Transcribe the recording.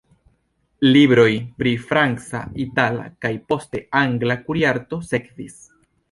Libroj pri franca, itala kaj, poste, angla kuirarto sekvis.